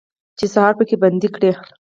چې سهار پکې بندي کړي